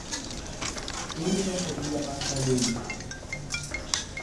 Ele não podia mais fazer isso.